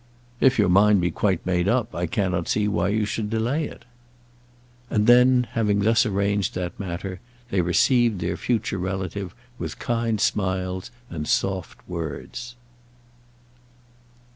"If your mind be quite made up, I cannot see why you should delay it." And then, having thus arranged that matter, they received their future relative with kind smiles and soft words.